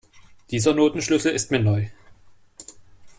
Dieser Notenschlüssel ist mir neu.